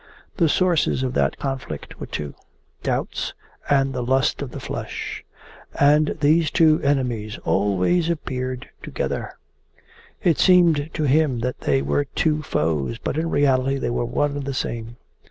The sources of that conflict were two: doubts, and the lust of the flesh. And these two enemies always appeared together. It seemed to him that they were two foes, but in reality they were one and the same.